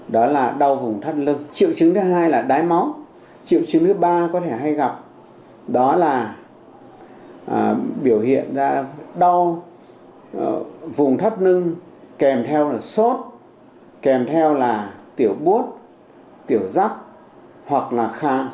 dạ đau vùng thắt lưng kèm theo là sốt kèm theo là tiểu bút tiểu rắp hoặc là khang